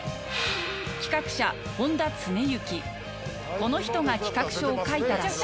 この人が企画書を書いたらしい